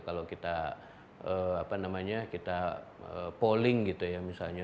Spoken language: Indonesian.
kalau kita polling gitu ya misalnya